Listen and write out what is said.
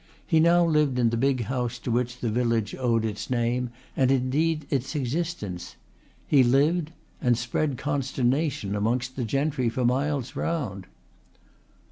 He now lived in the big house to which the village owed its name and indeed its existence. He lived and spread consternation amongst the gentry for miles round.